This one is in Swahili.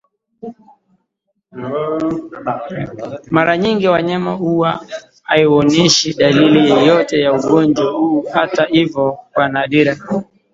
Mara nyingi wanyama huwa hawaoneshi dalili yoyote ya ugonjwa huu Hata hivyo kwa nadra